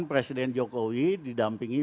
presiden jokowi didampingi